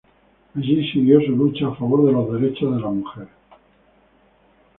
Allí siguió su lucha a favor de los derechos de la mujer.